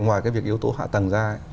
ngoài cái việc yếu tố hạ tầng ra